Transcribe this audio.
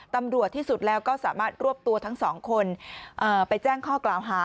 ตำรวจที่สุดแล้วก็สามารถรวบตัวทั้งสองคนไปแจ้งข้อกล่าวหา